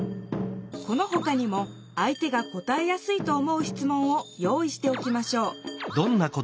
このほかにも相手が答えやすいと思うしつもんを用意しておきましょう。